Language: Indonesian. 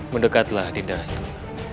mendekatlah di dasar